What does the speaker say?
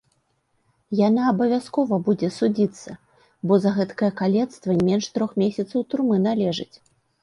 Яна абавязкова будзе судзіцца, бо за гэткае калецтва не менш трох месяцаў турмы належыць!